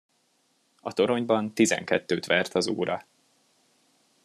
A toronyban tizenkettőt vert az óra.